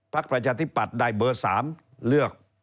ภักดิ์ประชาธิบัตรได้เบอร์๓เลือก